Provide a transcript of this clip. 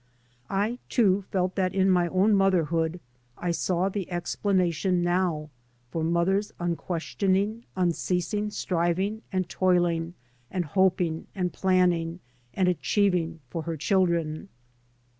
I, too, felt that in my own motherhood I saw the explanation now for mother's unquestioning unceasing striving and toiling and hoping and planning and achieving for her children.